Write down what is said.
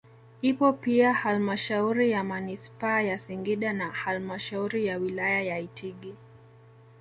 ipo pia Hlmashauri ya Manispaa ya Singida na halmashauri ya wilaya ya Itigi